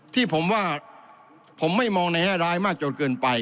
ที่ผมว่าผมไม่มองในแห้งรายมากโจทย์เกินไป